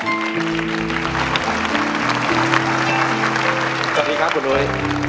สวัสดีครับคุณอุ๋ย